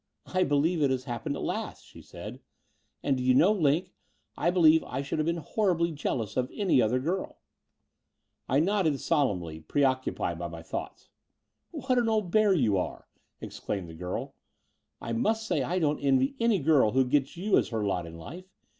I believe it has happened at last," she said; and do you know, Line, I believe I should have been horribly jealous of any other girl ?*' I nodded solemnly, preoccupied by my thoughts. "What an old bear you are! " exclaimed the girl. "I must say I don't envy any girl who gets you as her lot in life.